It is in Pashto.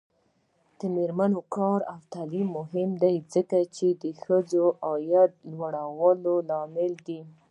د میرمنو کار او تعلیم مهم دی ځکه چې ښځو عاید لوړولو لامل دی.